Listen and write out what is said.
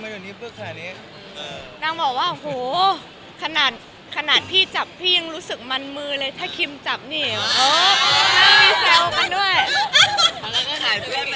เมื่อฟังจะได้เจอห้ำสนิทขู่เราบ้างไหมคะ